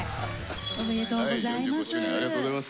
おめでとうございます。